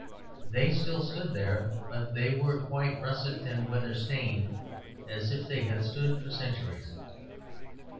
They still stood there; but they were quite russet and weather stained, as if they had stood for centuries.